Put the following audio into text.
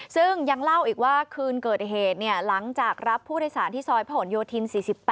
ซึ่งยังเล่าอีกว่าคืนเกิดเหตุหลังจากรับผู้โดยสารที่ซอยพระหลโยธิน๔๘